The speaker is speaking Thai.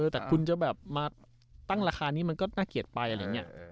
แต่คุณจะแบบมาตั้งราคานี้มันก็น่าเกลียดไป